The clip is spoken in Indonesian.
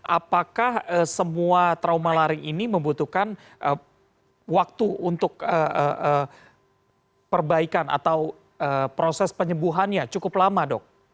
apakah semua trauma laring ini membutuhkan waktu untuk perbaikan atau proses penyembuhannya cukup lama dok